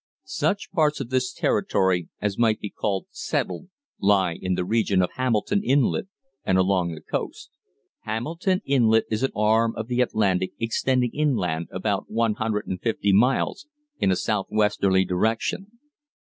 Such parts of this territory as might be called settled lie in the region of Hamilton Inlet and along the coast. Hamilton Inlet is an arm of the Atlantic extending inland about one hundred and fifty miles in a southwesterly direction.